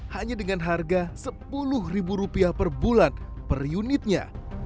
hanya dengan harga sepuluh ribu rupiah per bulan per unitnya